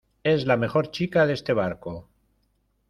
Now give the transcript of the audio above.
es la mejor chica de este barco